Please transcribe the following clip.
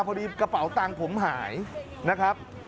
พอดีกระเป๋าตังผมหายนะครับ